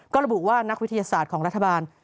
ก็ระบุว่านักวิทยาศาสตร์ของรัฐบาล